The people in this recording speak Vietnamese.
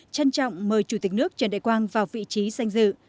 trân trọng mời chủ tịch nước trần đại quang vào vị trí danh dự